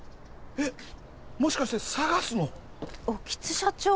えっもしかしてＳＡＧＡＳの興津社長？